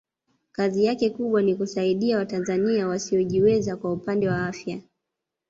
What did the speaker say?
kazi yake kubwa ni kusaidia watanzania wasiojiweza kwa upande wa afya